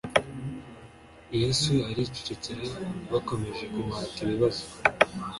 yesu aricecekera bakomeje kumuhata ibibazo